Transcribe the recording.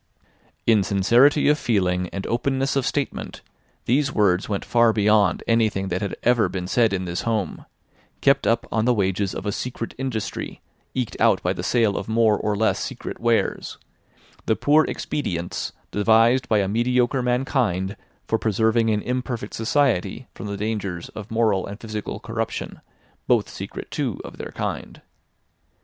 In sincerity of feeling and openness of statement, these words went far beyond anything that had ever been said in this home, kept up on the wages of a secret industry eked out by the sale of more or less secret wares: the poor expedients devised by a mediocre mankind for preserving an imperfect society from the dangers of moral and physical corruption, both secret too of their kind.